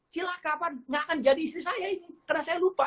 silahkan gak akan jadi istri saya ini karena saya lupa